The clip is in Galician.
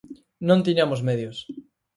Non tiñamos medios.